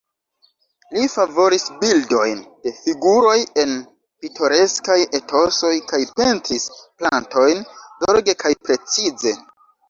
Li favoris bildojn de figuroj en pitoreskaj etosoj kaj pentris plantojn zorge kaj precize.